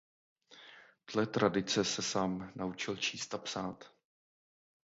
Dle tradice se sám naučil číst a psát.